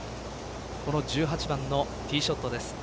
この１８番のティーショットです。